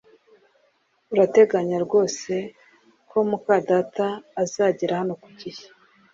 Urateganya rwose ko muka data azagera hano ku gihe?